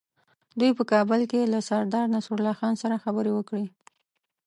دوی په کابل کې له سردار نصرالله خان سره خبرې وکړې.